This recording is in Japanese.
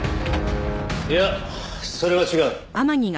いやそれは違う。